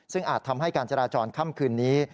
ซึ่งอาจทำให้การจราจรค่ำคืนนี้